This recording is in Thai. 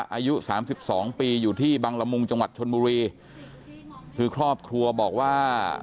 อายุสามสิบสองปีอยู่ที่บังละมุงจังหวัดชนบุรีคือครอบครัวบอกว่า